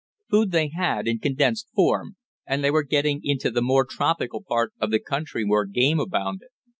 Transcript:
Food they had in condensed form and they were getting into the more tropical part of the country where game abounded.